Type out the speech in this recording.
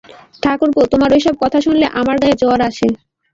ঠাকুরপো, তোমার ঐ-সব কথা শুনলে আমার গায়ে জ্বর আসে।